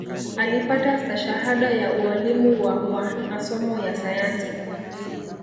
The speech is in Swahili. Alipata stashahada ya ualimu wa wa nasomo ya sayansi